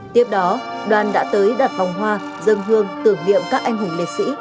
tiếp đó đoàn đã tới đặt vòng hoa dân hương tưởng niệm các anh hùng liệt sĩ